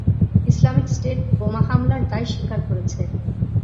Islamic State বোমা হামলার দায় স্বীকার করেছে।